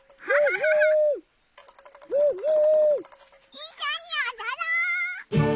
いっしょにおどろう！